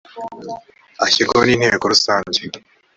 ashyirwaho n inteko rusange